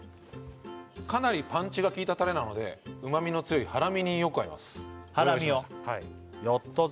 かなりパンチが効いたタレなので旨みの強いハラミによく合いますハラミをやったぜ！